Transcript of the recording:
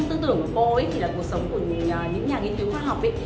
trong tư tưởng của cô cuộc sống của những nhà nghiên cứu khoa học